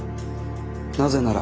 なぜなら。